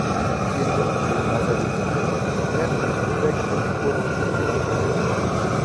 Siendo el más habitual de nervios rectos y curvos, que se van cruzando.